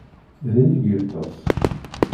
Din i yeṭṭes?